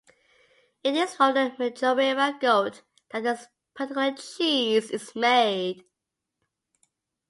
It is from the Majorera goat that this particular cheese is made.